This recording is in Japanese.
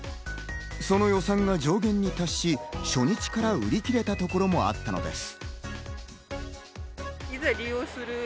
その予算が上限に達し、初日から売り切れた所もあったのです。